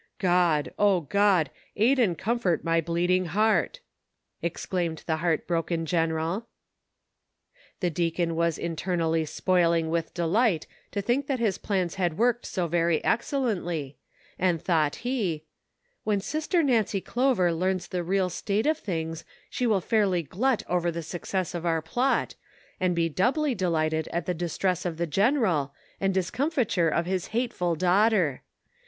God, O God I aid and comfort my bleed ing heart !" exclaimed the heart broken general. The deacon was internally spoiling with delight to think that his plans had worked so very excellently, and thought he :" When Sister Nancy Clover learns the real state of things she will fairly glut over the success of our plot, and be doubly deliglited at the distress of the general, and dis comfiture of his hateful daughter.